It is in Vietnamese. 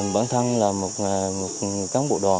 bản thân là một cán bộ đoàn